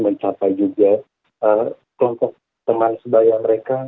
mencapai juga kelompok teman sebaya mereka